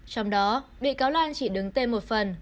trong đó bị cáo loan chỉ đứng tên một phần